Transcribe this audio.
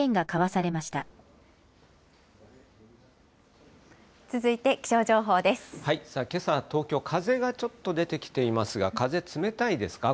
さあ、けさ、東京、風がちょっと出てきていますが、風、冷たいですか？